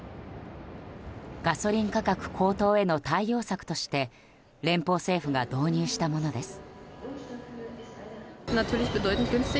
ガソリン価格高騰への対応策として連邦政府が導入したものです。